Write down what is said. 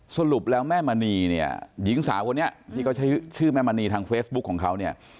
สรุปแล้วแม่มณีเนี่ยหญิงสาวคนนี้ที่เขาใช้ชื่อแม่มณีทางเฟซบุ๊คของเขาเนี่ย